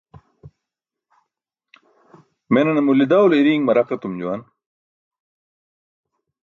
Menane mulidawlo iriiṅ maraq etum juwan.